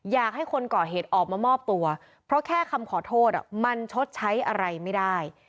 อยากให้คนก่อเหตุออกมามอบตัวเพราะแค่คำขอโทษมันชดใช้อะไรไม่ได้